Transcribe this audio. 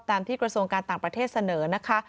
ที่กระทรวงการต่างประเทศเสนอนะคะ